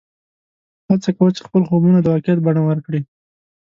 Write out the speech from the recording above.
هڅه کوه چې خپل خوبونه د واقعیت بڼه ورکړې